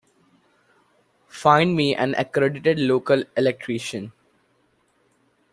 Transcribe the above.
Find me an accredited local electrician.